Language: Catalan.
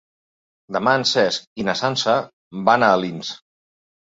Demà en Cesc i na Sança van a Alins.